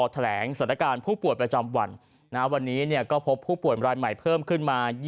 แถลงสถานการณ์ผู้ป่วยประจำวันวันนี้ก็พบผู้ป่วยรายใหม่เพิ่มขึ้นมา